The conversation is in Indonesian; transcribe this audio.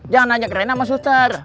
jangan ajak rena sama suster